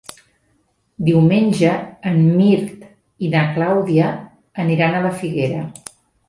Diumenge en Mirt i na Clàudia aniran a la Figuera.